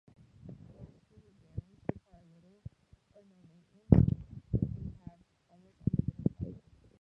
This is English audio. Most fluid bearings require little or no maintenance, and have almost unlimited life.